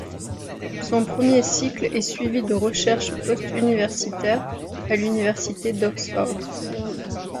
Son premier cycle est suivie de recherches post-universitaires à l'Université d'Oxford.